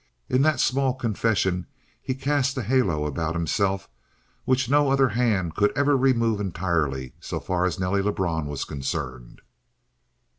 In that small confession he cast a halo about himself which no other hand could ever remove entirely so far as Nelly Lebrun was concerned.